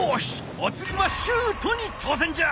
おつぎはシュートに挑戦じゃ！